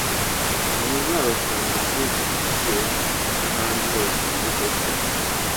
ntuzabasanga kuri iki giciro nahandi hose muri boston